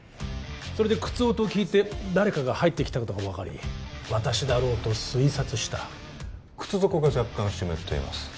それで靴音を聞いて誰かが入ってきたことが分かり私だろうと推察した靴底が若干湿っています